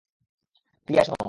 টিয়া, শুনো।